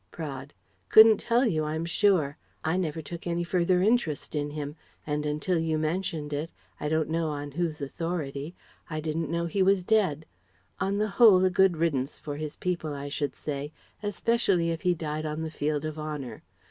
Praed: "Couldn't tell you, I'm sure. I never took any further interest in him, and until you mentioned it I don't know on whose authority I didn't know he was dead. On the whole a good riddance for his people, I should say, especially if he died on the field of honour.